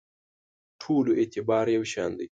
ټولو اعتبار یو شان دی.